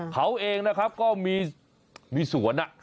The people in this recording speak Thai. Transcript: เขาเองนะครับก็มีสวน